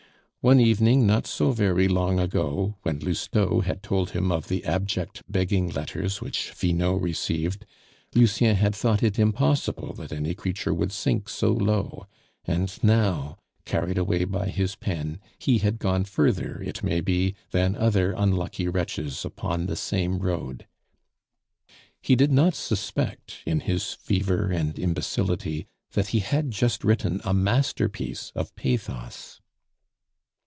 One evening, not so very long ago, when Lousteau had told him of the abject begging letters which Finot received, Lucien had thought it impossible that any creature would sink so low; and now, carried away by his pen, he had gone further, it may be, than other unlucky wretches upon the same road. He did not suspect, in his fever and imbecility, that he had just written a masterpiece of pathos.